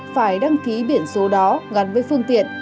phải đăng ký biển số đó gắn với phương tiện